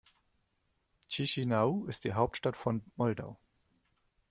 Chișinău ist die Hauptstadt von Moldau.